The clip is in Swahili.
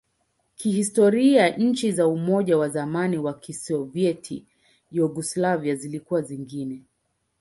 Kihistoria, nchi za Umoja wa zamani wa Kisovyeti na Yugoslavia zilikuwa zingine.